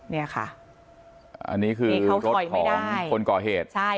เนี่ยค่ะอันนี้คือนี่เขาถอยไม่ได้คนก่อเหตุใช่